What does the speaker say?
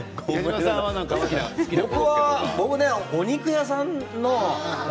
僕は、お肉屋さんの。